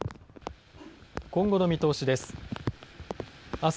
今後の見通しです。